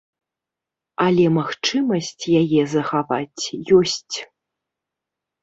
Але магчымасць яе захаваць ёсць.